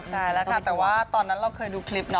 ใช่แล้วค่ะแต่ว่าตอนนั้นเราเคยดูคลิปเนาะ